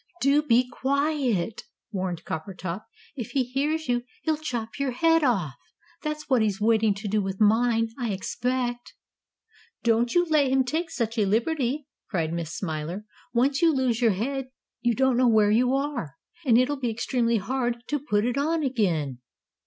"Do be quiet!" warned Coppertop. "If he hears you he'll chop your head off! That's what he's waiting to do with mine, I expect." "Don't you let him take such a liberty," cried Miss Smiler. "Once you lose your head you don't know where you are. And it'll be extremely hard to put it on again."